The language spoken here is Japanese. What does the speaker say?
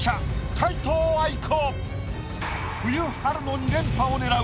皆藤愛子！